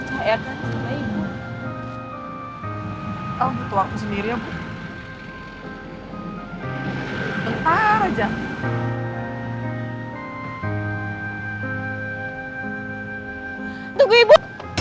aku mau ketemu ibu